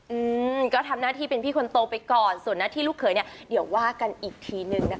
อืมก็ทำหน้าที่เป็นพี่คนโตไปก่อนส่วนหน้าที่ลูกเขยเนี่ยเดี๋ยวว่ากันอีกทีนึงนะคะ